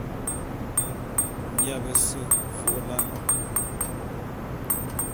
Mia bese vô'ôla'an.